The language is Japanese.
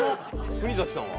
国崎さんは？